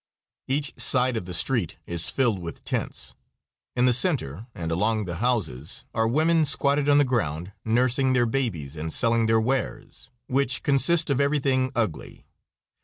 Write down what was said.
Each side of the street is filled with tents. In the center and along the houses are women squatted on the ground nursing their babies and selling their wares, which consist of everything ugly.